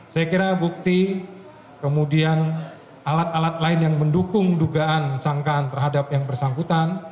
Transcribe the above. saya kira bukti kemudian alat alat lain yang mendukung dugaan sangkaan terhadap yang bersangkutan